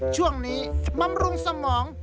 ช่วงนี้มำรุงสมอง